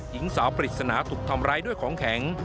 หญิงสาวปริศนาถูกทำร้ายด้วยของแข็ง